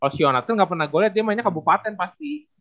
kalo sionatel gak pernah gue liat dia mainnya kabupaten pasti